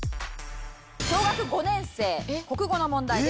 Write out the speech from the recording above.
小学５年生国語の問題です。